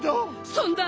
そんな。